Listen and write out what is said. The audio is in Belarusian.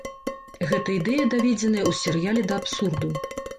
Гэта ідэя даведзеная ў серыяле да абсурду.